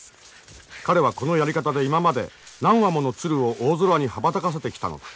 彼はこのやり方で今まで何羽もの鶴を大空に羽ばたかせてきたのだ。